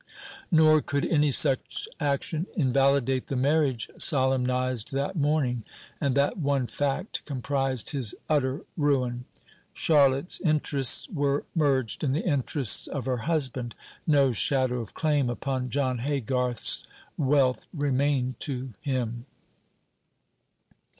Nor could any such action invalidate the marriage solemnized that morning; and that one fact comprised his utter ruin. Charlotte's interests were merged in the interests of her husband. No shadow of claim upon John Haygarth's wealth remained to him.